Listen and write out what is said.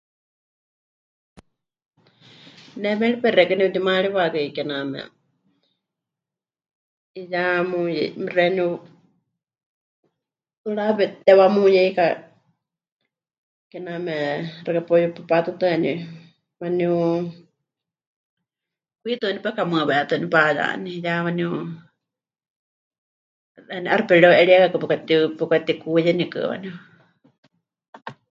Ne méripai xeikɨ́a nepɨtimaariwakai kename ya muyu... xeeníu 'ɨrawe mɨtitewá muyeika, kename xɨka pe'uyupapatutɨani waaníu, kwitɨ waaníu pekamɨwetɨ waaníu payaní, ya waníu, waníu 'aixɨ pemɨreu'eríekakɨ, pemɨkati... pemɨkatikuuyenikɨ waníu.